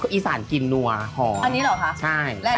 อีสานกินนัวหอมอันนี้เหรอคะใช่และนี่